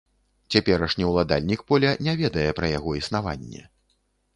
Цяперашні ўладальнік поля не ведае пра яго існаванне.